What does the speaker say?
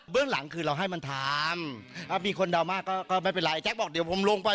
เรื่องหลังคือเราให้มันทำแล้วมีคนเดามากก็ไม่เป็นไรแจ๊คบอกเดี๋ยวผมลงไป